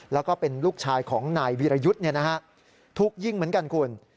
แล้วก็เป็นลูกชายของนายวีรยุทธ์ถูกยิงเหมือนกันคุณ